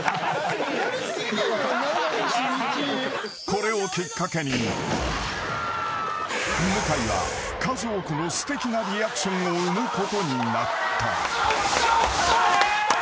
［これをきっかけに向井は数多くのすてきなリアクションを生むことになった］